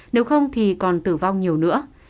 nếu không thì còn tử vong nhiều nữa